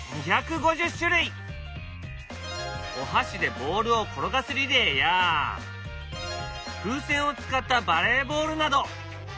お箸でボールを転がすリレーや風船を使ったバレーボールなど！